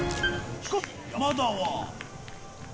しかし、山田は。